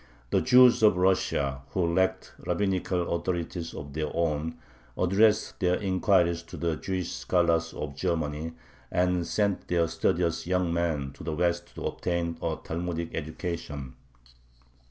The Jews of Russia, who lacked rabbinical authorities of their own, addressed their inquiries to the Jewish scholars of Germany, or sent their studious young men to the West to obtain a Talmudic education.